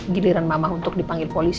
giliran mamah untuk dipanggil polisi